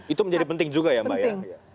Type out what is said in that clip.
itu menjadi penting juga ya mbak ya